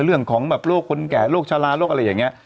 เรื่องของแบบโรคคนแก่โรคชะลาโรคอะไรอย่างนี้